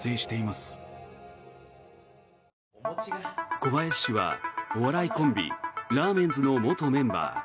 小林氏はお笑いコンビラーメンズの元メンバー。